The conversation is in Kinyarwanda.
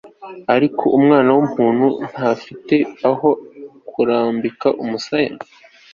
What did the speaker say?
ariko umwana w'umuntu ntafite aho kurambika umusaya